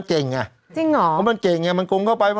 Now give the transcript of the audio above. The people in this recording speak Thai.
จริงเหรอเพราะมันเก่งน่ะมันกงเข้าไป